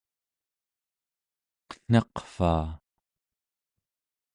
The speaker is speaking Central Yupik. qen̄aqvaa!